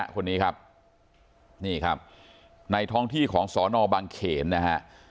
คนนี้ครับนี่ครับในท้องที่ของสอนอบางเขนนะฮะ